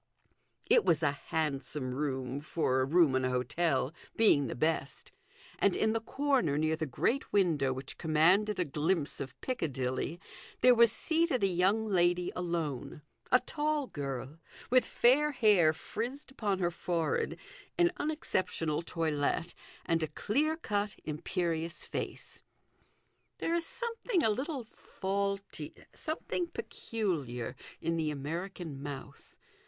It was a handsome room for a room in a hotel, being the best ; and in the corner near the great window which commanded a glimpse of Piccadilly, there was seated a young lady alone a tall girl, with fair hair frizzed upon her forehead, an unexceptionable toilette, and a clear cut imperious face. There is something a little faulty, something peculiar, in the American mouth.